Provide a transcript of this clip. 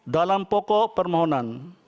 dalam pokok permohonan